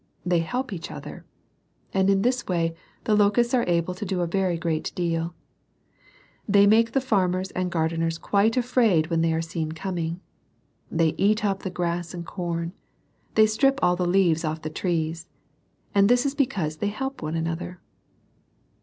They help each other. And in this way the locusts are able to do a very great deal. They make the farmers and gardeners quite afraid when they are seen coming. They eat up the grass and com. They strip all the leaves off the trees. And this is because they help one another.